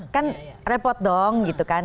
kan repot dong gitu kan